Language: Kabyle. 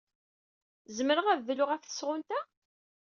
Zemreɣ ad dluɣ ɣef tesɣunt-a?